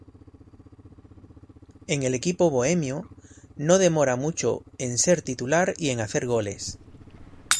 En el equipo "Bohemio", no demora mucho en ser titular y en hacer goles.